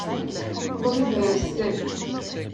Ḍleb-as-t.